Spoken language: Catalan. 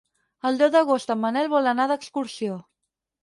El deu d'agost en Manel vol anar d'excursió.